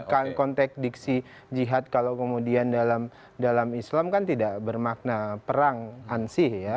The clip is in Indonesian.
konteks diksi jihad kalau kemudian dalam islam kan tidak bermakna perang ansih ya